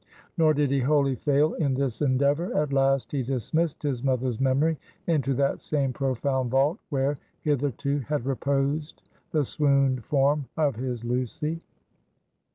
Nor did he wholly fail in this endeavor. At last he dismissed his mother's memory into that same profound vault where hitherto had reposed the swooned form of his Lucy.